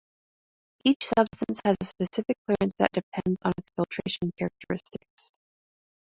Each substance has a specific clearance that depends on its filtration characteristics.